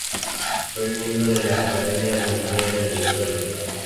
Fue miembro de la Academia Boliviana de la Historia.